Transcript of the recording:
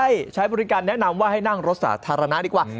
ให้ใช้บริการแนะนำว่าให้นั่งรถสาธารณะดีกว่า